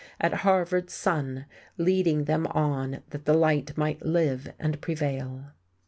at Harvard's son leading them on that the light might live and prevail.